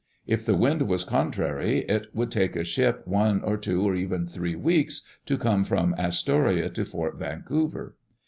If the wind was contrary, it would take a ship one or two or even three weeks to come from Astoria to Fort Vancouver.